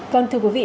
vâng thưa quý vị